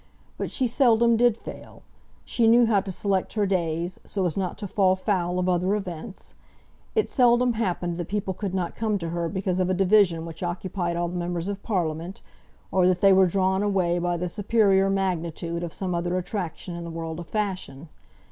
But she seldom did fail. She knew how to select her days, so as not to fall foul of other events. It seldom happened that people could not come to her because of a division which occupied all the Members of Parliament, or that they were drawn away by the superior magnitude of some other attraction in the world of fashion.